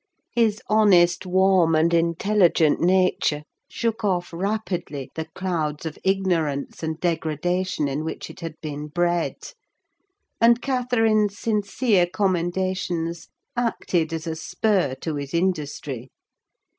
His honest, warm, and intelligent nature shook off rapidly the clouds of ignorance and degradation in which it had been bred; and Catherine's sincere commendations acted as a spur to his industry.